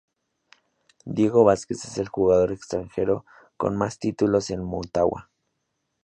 Diego Vásquez es el jugador extranjero con más títulos en Motagua.